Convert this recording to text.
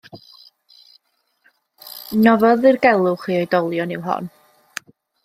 Nofel ddirgelwch i oedolion yw hon.